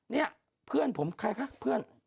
นี่เพื่อนผมใครคะเพื่อน